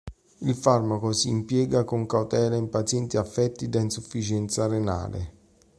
Il farmaco si impiega con cautela in pazienti affetti da insufficienza renale.